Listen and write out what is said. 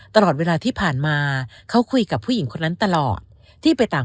ตลอดเวลาที่ผ่านมาเขาคุยกับผู้หญิงคนนั้นตลอดที่ไปต่าง